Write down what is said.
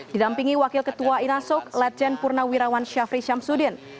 didampingi wakil ketua inasok lejen purna wirawan syafri syamsuddin